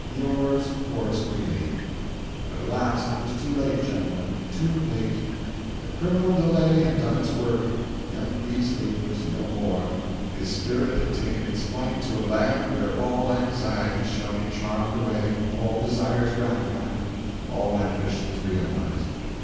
Yours, HORACE GREELEY.' "But alas, it was too late, gentlemen—too late. The criminal delay had done its work—young Beazely was no more. His spirit had taken its flight to a land where all anxieties shall be charmed away, all desires gratified, all ambitions realized.